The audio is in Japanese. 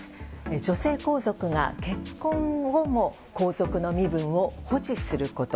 女性皇族が結婚後も皇族の身分を保持すること。